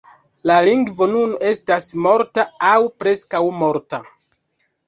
La lingvo nun estas morta aŭ preskaŭ morta.